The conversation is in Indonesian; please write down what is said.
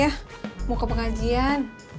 ah mau ke pengajian